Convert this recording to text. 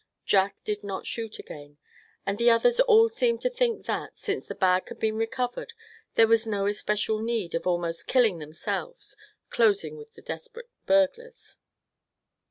Jack did not shoot again, and the others all seemed to think that, since the bag had been recovered, there was no especial need of almost killing themselves closing with the desperate burglars.